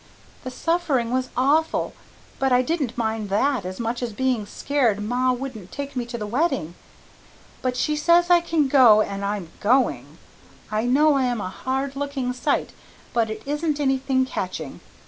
The SUFFERING was awful but I didn't mind that as much as being scared ma wouldn't take me to the wedding. But she says I can go and I'm going. I know that I am a HARD LOOKING SIGHT, but it isn't anything catching.